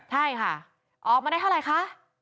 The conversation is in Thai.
ใช่ค่ะออกมาได้เท่าไหร่คะ